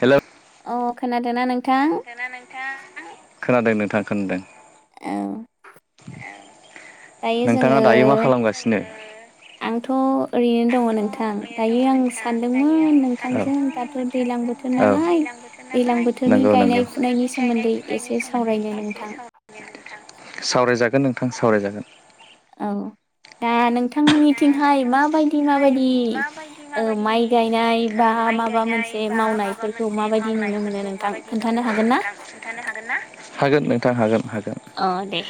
हेल'। अ खोनादों ना नोंथां? खोनादों नोंथां खोनादों। ए। दायो जोङो आंथ' ओरैनो दङ नोंथां दायो आं सानदोंमोन नोंथांजों दाथ' दैलां बोथोर नालाय दैलां बोथोरनि गायनाय फुनायनि सोमोन्दै एसे सावरायनो नोंथांं। सावरायजागोन नोंथां सावरायजागोन। औ। दा नोंथांमोननिथिंहाय माबायदि माबायदि माइ गायनाय बा माबा मोनसे बा माबा मोनसे मावनायफोरखौ माबादि नुनो मोनदों नोंथां खिन्थानो हागोन ना? हागोन नोंथां। हागोन हागोन। अ दे।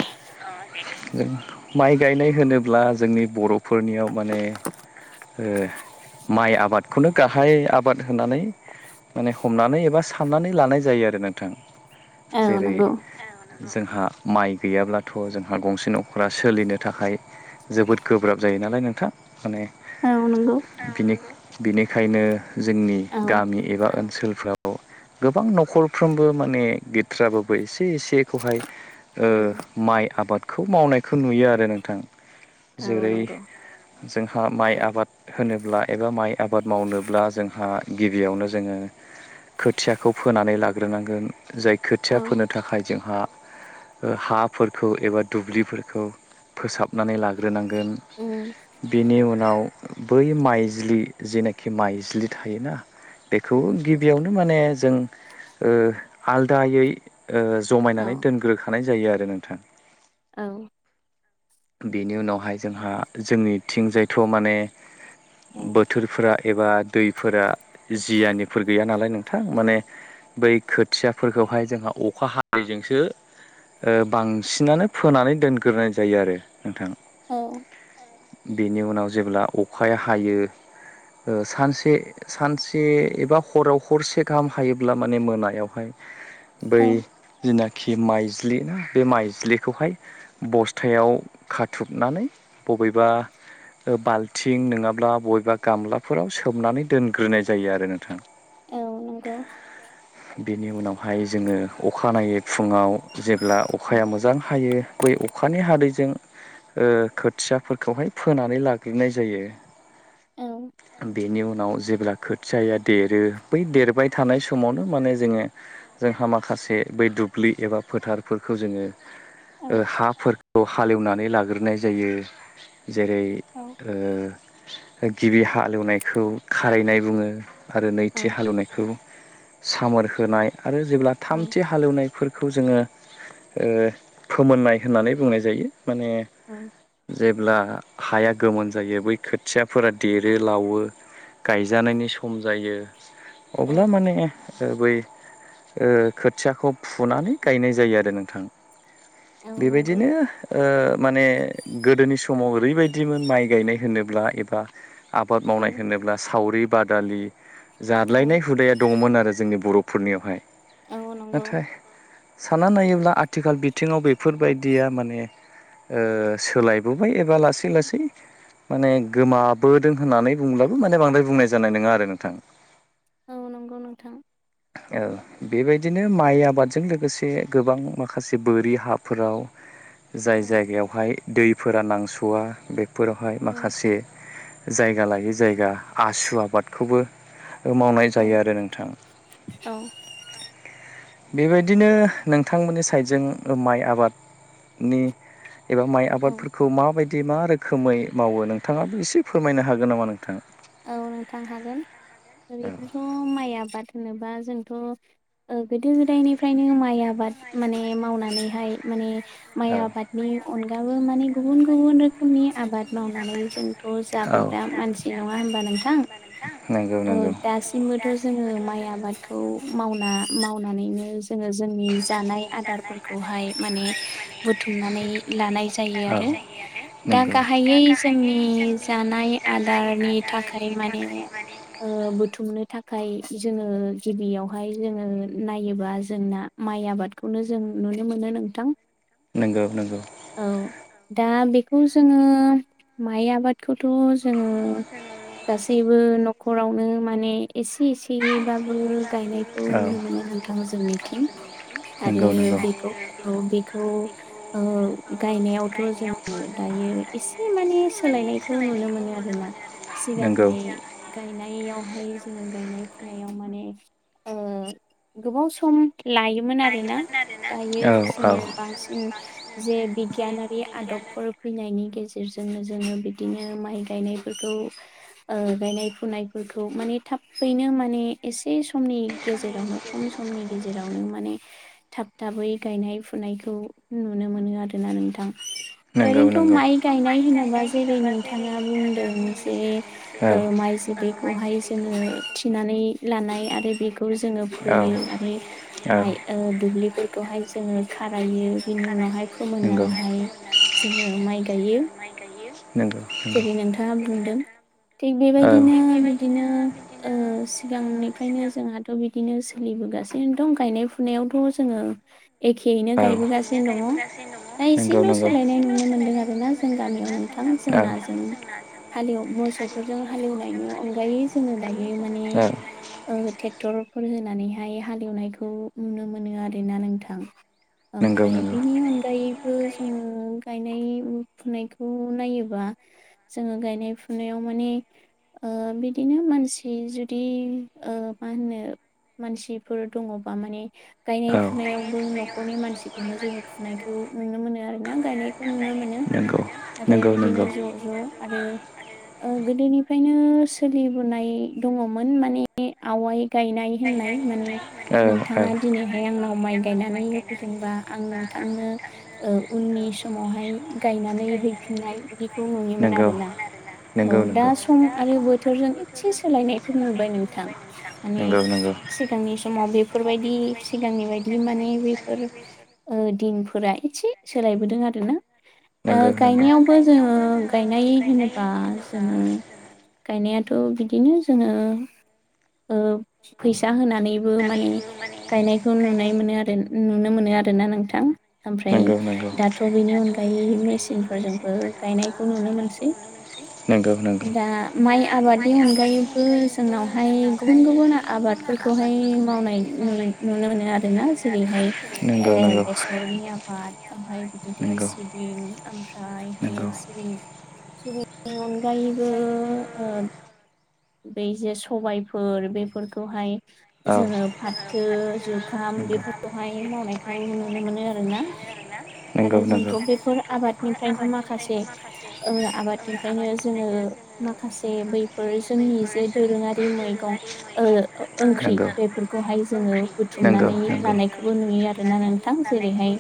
माइ गायनाय होनोब्ला जोंनि बर'फोरनियाव माने माइ आबादखौनो गाहाय आबाद होनानै माने हमनानै एबा साननानै लानाय जायो आरो नोंथां जेरै जोंहा माइ गैयाब्लाथ' जोंहा गंसे न'खरा सोलिनो थाखाय जोबोद गोब्राब जायो नालाय नोंथाङ माने बिनि बिखायनो जोंनि गामि एबा ओनसोलफ्राव गोबां न'खरफ्रोमबो माने गैद्राबाबो एसे एसेखौहाय ओ माइ आबादखौ मावनायखौ नुयो आरो नोंथां जेरै जोंहा माइ आबाद होनोब्ला एबा माइ आबाद मावनोब्ला जोंहा गिबियावनो जोङो खोथियाखौ फोनानै लाग्रोनांगोन जाय खोथिया फोनो थाखाय जोंहा हाफोरखौ एबा दुब्लिफोरखौ फोसाबनानै लाग्रोनां गोन बेनि उनाव बै माइज्लि जेनाखि माइज्लि थायोना बे थ' गिबियावनो माने जों ओ आलदायै ओ जमायनानै दोनग्रोखानाय जायो आरो नोंथां औ बेनि उनावहाय जोंहा जोंनिथिंजायथ' माने बोथोरफोरा एबा दैफोरा जियानि फोर गैया नालाय नोंथां माने बै खोथियाफोरखौहाय जोंहा अखा हादैजोंसो ओ बांसिनानो फोनानै दोनग्रोनाय जायो आरो नोंथां औ बेनि उनाव जेब्ला अखाया हायो। ओ सानसे सानसे एबा हराव हरसे गाहाम हायोब्ला माने मोनायावहाय बै जेनाखि खि माइज्लि बा बे माइज्लिखौहाय बस्थायाव खाथुबनानै बबेबा बाल्थिं नङाब्ला बबेबा गामलाफोराव सोमनानै दोनग्रोनाय जायो आरो नोंथां औ नंगौ बेनि उनावहाय जोङो अखानायै फुङाव जेब्ला अखाया मोजां हायो। बै अखानि हादैजों ओ खोथियाफोरखौहाय फोनानै लाग्रोनाय जायो। बेनि उनाव जेब्ला खोथियाया देरो बै देरबाय थानाय समावनो माने जोङो जोंहा माखासे बै दुब्लि एबा फोथारफोर खौ जोङो हाफोरखौ हालेवनानै लाग्रोनाय जायो। जेरै ओ गिबि हालेवनायखौ खारैनाय बुङो आरो नै हालेवनायखौ सामार होनाय आरो जेब्ला थामथि हालेवनाय फोरखौ जोङो ओ फोमोननाय होननानै बुंनाय जायो। माने जे ब्ला हाया गोमोन जायो बै खोथियाफोरा देरो लावो गायजानायनि सम जायो अब्ला माने जोबै ओ खोथियाखौ फुनानै गायनाय जायो आरो नोंथां। बेबायदिनो ओ माने गोदोनि समाव ओरैबायदिमोन माइ गायनाय होनोब्ला एबा आबाद मावनाय होनोब्ला सावरि बादालि जादलायनाय हुदाया दङमोन आरो जोंनि बर' पुरनियावहाय औ नंगौ। सानना नायोब्ला आथिखाल बिथिङाव बेफोरबायदिया माने ओ सोलायबोबाय एबा लासै लासै माने गोमाबोदों होननानै बुंब्लाबो माने बांद्राय बुंनाय जानाय नङा आरो नोंथां औ नंगौ नोंथां औ बेबायदिनो माइ आबादजों लोगोसे गोबां माखासे बोरि हाफोराव जाय जायगायावहाय दैफोरा नांस'वा बेफोरावहाय माखासे जायगा लागै जायगा आसु आबादखौबो मावनाय जायो आरो नोंथां। बेबायदिनो नोंथांमोननि साइडजों माइ आबादनि एबा माइ आबादफोरखौ माबायदि मा रोखोमै मावो नोंथाङाबो एसे फोरमायनो हागोन नामा नोंथाङा? औ नोंथां हागोन ओरैनोथ' माइ आबाद होनोबा जोंथ' ओ गोदो गोदायनिफ्रायनो माइ आबाद माने मावनानैहाय माने माइ आबादनि अनगाबो माने गुबुन गुबुन रोखोमनि आबाद मावनानै जोंथ' जाबोग्रा मानसि नङा होमबा नोंथां औ दासिमबोथ' जोङो माइ आबादखौ मावना मावनानैनो जोङो जोंनि जानाय आदारफोरखौहाय माने बुथुमनानै लानाय जायो आरो। दा गाहायै जोंनि जानाय आदार नि थाखाय माने ओ बुथुमनो थाखाय जों ओ गिबियावहाय जोङो नायोबा जोंना माइ आबादखौनो जों नुनो मोनो नोंथां। नंगौ नंगौ दा बेखौ जोङो माइ आबादखौथ' जोङो गासैबो न'खरावनो माने एसे एसेयैबाबो गायनायखौ नुनो मोनो नोंथां जोंनिथिं आरो बे औ बेखौ ओ गायनायावथ' जोङो दायो एसे माने सोलायनायखौ नुनो मोनो आरोना। सिगांहाय गायनाय यावहाय जोङो गायनाय फुनायाव माने ओ गोबाव सम लायोमोन आरोना दायो जोङो बांसिन जे बिगियानारि आदब फोर फैनायनि गेजेरजोंनो जोङो बिदिनो माइ गायनाय फोरखौ ओ गायनाय फुनाय फोरखौ माने थाबैनो माने एसे स समनि गेजेरावनो खम समनि गेजेरावनो माने थाब थाबै गायनाय फुनायखौ नुनो मोनो आरो। ना नोंथां ओरैनोथ' माइ गायनाय होनोबा जेरै नोंथाङा बुंदों ओम जे ओ माइ जोदैखौहाय जोङो थिनानै लानाय आरो बेखौ खौ जोङो फोयो आरो माइ ओ दुब्लिफोरखौहाय जोङो खारायो। बिनि उनावहाय फोमोननानैहाय जोङो माइ गायो। जेरै नोंथाङा बुंदों थिग बेबायदिनो बिदिनो बिदिनो सिगांनिफ्रायनो जोंहाथ' बिदिनो सोलिबोगासिनो दं गायनाय फुनायावथ' जोङो एखेयैनो गायबोगासिनो दङ दा एसेल' सोलायनाय नुनो मोनदों आरोना जों गामियाव नों थां जोंना जों हालेव मोसौफोरजों हालेवनायनि अनगायै जोङो दायो माने ओ टेक्टरफोर होनानैहाय हालेवनायखौ नुनो मोनो आरो ना नोंथां। ओमफ्राय बेनि अनगायैबो जों गायनाय फुनायखौ नायोबा जोङो गायनाय फुनायाव माने ओ बिदिनो मानसि जुदि ओ मा होनो मानसिफोर दङबा माने गायनाय फुनायावबो न'खरनि मानसिखौनो जोङो फुनायखौ नुनो मोनो आरोना गायनायखौ नुनो मोनो आरो बिदिनो ज' ज' आरो ओ गोदोनिफ्रायनो सोलिबोनाय दङमोन माने आवाय गायनाय होन नाय माने नोंथाङा दिनैहाय आंनाव माइ गायनानै होफैदोंबा आं नोंथांनो ओ उननि समावहाय गायनानै है फिननाय बिदिखौ नुयोमोन आरोना औ दा सम आरो बोथोरजों ए एसे सोलायनायखौ नुबाय नोंथां माने सिगांनि समाव बे फोरबायदि सिगांनि बायदि माने बेफोर ओ दिनफोरा एसे सोलायबोदों आरो ना गायनायावबो जोङो गायनाय होनोबा जोङो गायनायाथ' बिदिनो जोङो ओ फैसा होनानैबो माने गायनायखौ नुनाय मोनो आरो नुनो मोनो। आरोना नोंथां। ओमफ्राय दाथ बेनि अनगायै मेचिनफोरजोंबो गायनायखौ नुनो मोनसै दा माइ आबादनि अनगायैबो जोंनावहाय गुबुन गुबुन आबाद फोरखौहाय मावनाय नुयो नुनो मोनो आरोना जेरैहाय ओ बेसरनि आबाद ओमफाय बिदिनो सिबिं ओमफ्राय हायो सिबिं सिबिंनि अनगायैबो ओ बे जे सबायफोर बेफोरखौहाय जोङो थो जुखाम बेफोरखौहाय मावनायखौ नुनो मोनो आरोना। आरो जोंथ बेफोर आबादनिफ्रायनो माखासे ओ आबादनि दि फ्रायनो जोङो माखासे बैफोर जोंनि जे दोरोङारि मैगं ओ ओ ओंख्रि बेफोरखौहाय जोङो बुथुमनानै लानायखौबो नुयो आ रोना नोंथां जेरैहाय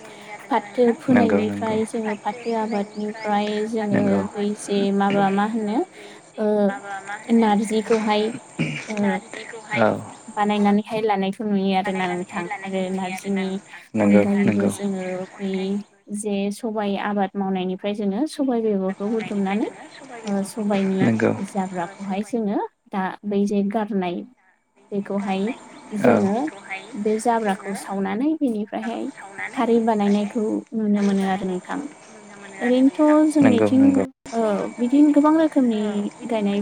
फाथो फोनायनिफ्राय जोङो फाथो आबादनिफ्राय जोङो बै जे माबा मा होनो नारजिखौहाय ओ बानायनानैहाय लानायखौ नुयो आरो ना नोंथां आरो नारजिनि अनगायैबो जोङो बै आं जे सबया आबाद मावनायनिफ्राय जोङो सबाइ बेगरखौ बुथुमनानै सबायनि जाग्राखौहाय जोङो दा बै जे गारनाय बेखौहाय जोङो बे जाब्राखौ सावनानै बेनिफ्रायहाय खारै बानायनायखौ नुनो मोनो आरो नोंथां। ओरैनोथ जोंनिथिं ओ बिदिनो गोबां रोखोमनि गायनाय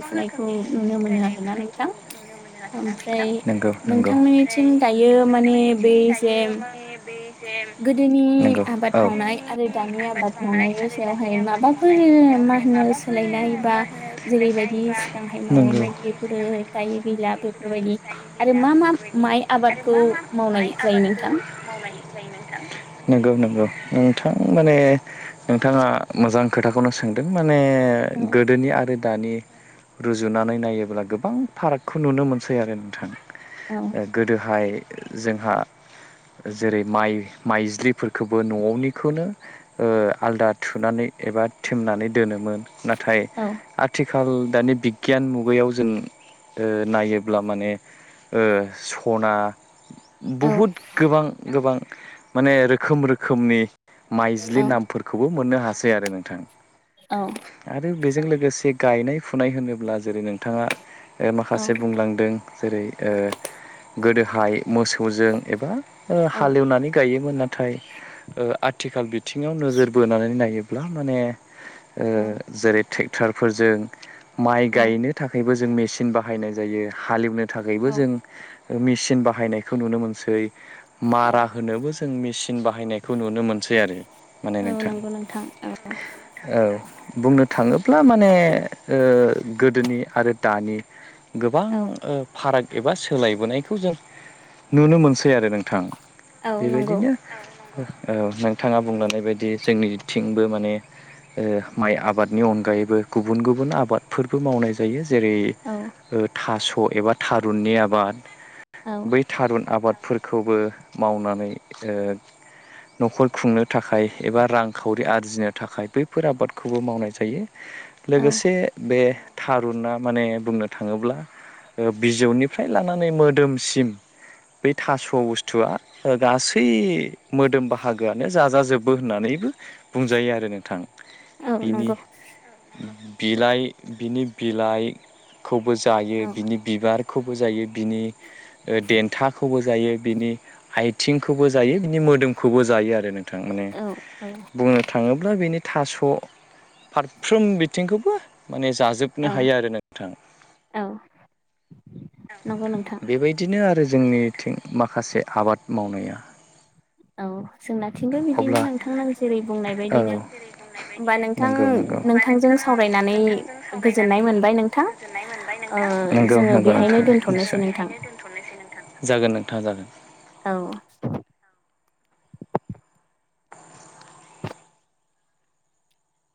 नोंगौ नोंगौ। [unintelligible] गोदोनि आबाद मावनाय आरो दानि आबाद मावनायनि सायावहाय माबाफोर मा होनो सोलायनाय बा जेरैबायदि दांहाय मावोमोन बेफोरो दायो गैला बेफोरबायदि आरो मा मा माइ आबादखौ मावनाय जायो नोंथां? नंगौ नंगौ नोंथां माने नोंथाङा मोजां खोथाखौनो सोंदों। माने गोदोनि आरो दानि रुजुनानै नायोब्ला गोबां फारागखौ नुनो मोनसै आरो नोंथां। गोदोहाय जोंहा जेरै माइ माइज्लिफोरखौबो नआवनिखौनो ओ आलदा थुनानै एबा थेमनानै दोनोमोन नाथाय आथि खाल दानि बिगियान मुगायाव जों ओ नायोब्ला माने ओ बना बहुद गोबां गोबां माने रोखोम रोखोमनि माइज्लि नामफोरखौबो मोननो हासै आरो नोंथां। औ बेजों लोगोसे गायनाय फुनाय होनोब्ला जेरै नोंथाङा माखासे बुंलांदों जेरै ओ गोदोहाय मोसौजों एबा हालेवनानै गायोमोन नाथाय ओ आथिखाल बि थिङाव नोजोर बोनानै नायोब्ला माने ओ जेरै टेक्टरफोरजों माइ गायनो थाखायबो जों मेचिन बाहायनाय जायो हालेवनो थाखायबो जों मेचिन बाहायनायखौ नुनो मोनसै मारा होनोबो जों मे चिन बाहायनायखौ नुनो मोनसै आरो माने नोंथां। अ औ बुंनो थाङोब्ला माने ओ गोदोनि आरो दानि गोबां ओ फाराग एबा सोलायबोनायखौ जों नुनो मोनसै आरो नोंथां। बेबायदिनो औ नोंथाङा बुंलांनाय बायदि जोंनिथिंबो माने ओ माइ आबादनि अनगायैबो गुबुन गुबुन आबादफोरबो मावनाय जायो। जेरै- ओ थास' एबा थारुननि आबाद बै थारुन आबाद फोरखौबो मावनानै ओ न'खर खुंनो थाखाय एबा रांखावरि आरजिनो थाखाय बैफोर आबादखौबो मावनाय जायो। लोगोसे बे थारुना माने बुंनो थाङोब्ला ओ बिजौनिफ्राय लानानै मोदोमसिम बे थास' बुस्थुआ गासै मोदोम बाहागोआनो जाजाजोबो होननानैबो बुंजायो आरो नोंथां बिनि बिलाइ बिनि बिलाइखौ बो जायो बिनि बिबारखौबो जायो। बिनि ओ देन्थाखौबो जायो बिनि आइ थिंखौबो जायो बिनि मोदोमखौबो जायो आरो नों थां माने बुंनो थाङोब्ला बेनि थास' अ फारफ्रोम बिथिंखौबो माने जाजोबनो हायो आरो नोंथां। बेबायदिनो आरो जोंनिथिं माखासे आबाद मावनाया औ जोंनाथिंबो बिदिनो नोंथां नां जेरै बुंनाय बायदिनो होमबा नोंथां नोंथांजों सावरायनानै गोजोननाय मोनबाय नोंथां। ओ जोङो बेहायनो दोन्थ'नोसै नोंथां। जागोन नोंथाङा जागोन।